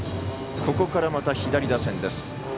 ここから、また左打線です。